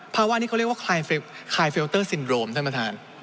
ภาวะนี้เขาเรียกว่าคลายเฟลเตอร์ซินโรมท่านประธาน